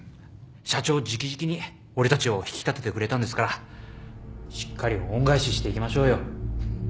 社長直々に俺たちを引き立ててくれたんですからしっかり恩返ししていきましょうよ。